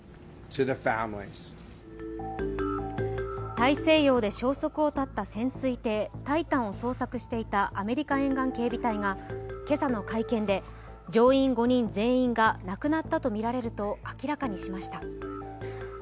大西洋で消息を絶った潜水艇「タイタン」を捜索していたアメリカ沿岸警備隊が今朝の会見で乗員５人全員が亡くなったとみられると明らかにしました。